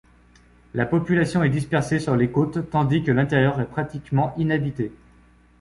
La population est dispersée sur les côtes tandis que l'intérieur est pratiquement inhabité.